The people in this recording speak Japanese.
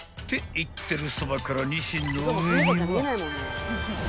言ってるそばからにしんの上には］